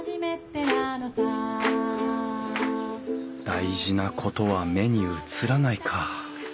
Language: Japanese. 「大事なことは目に映らない」か。